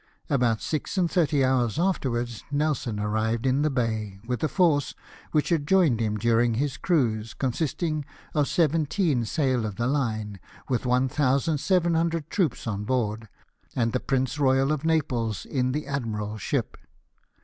About six and thirty hours afterwards Nelson arrived in the bay, with a force, which had joined him during his cruise, consisting of seventeen sail of the line, with 1,700 troops on board, and the Prince Royal of Naples in the admiral's ship.